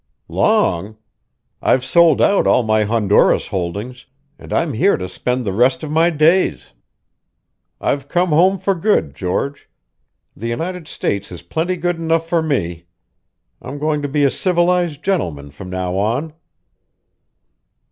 "Long? I've sold out all my Honduras holdings, and I'm here to spend the rest of my days. I've come home for good, George. The United States is plenty good enough for me. I'm going to be a civilized gentleman from now on."